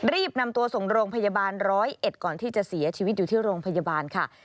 รีบนำตัวส่งโรงพยาบาลร้อยเอ็ดก่อนที่จะเสียชีวิตอยู่ที่โรงพยาบาลค่ะ